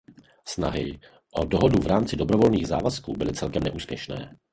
Snahy o dohodu v rámci dobrovolných závazků byly celkem neúspěšné.